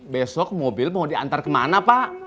besok mobil mau diantar kemana pak